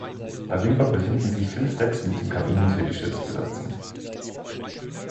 Darüber befinden sich fünf Decks mit den Kabinen für die Schiffsbesatzung.